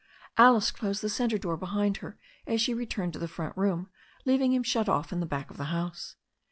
Alice closed the centre door behind her as she returned to the front room, leaving him shut off in the back of the house.